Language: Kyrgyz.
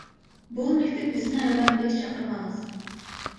Бул мектеп биздин айылдан беш чакырым алыс.